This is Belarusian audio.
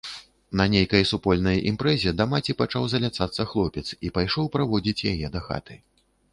На нейкай супольнай імпрэзе да маці пачаў заляцацца хлопец і пайшоў праводзіць яе дахаты.